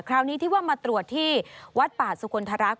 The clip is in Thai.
คราวนี้ที่ว่ามาตรวจที่วัดป่าสุคลทรักษ